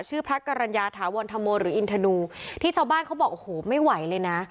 พระกรรณญาถาวรธรรมโมหรืออินทนูที่ชาวบ้านเขาบอกโอ้โหไม่ไหวเลยนะ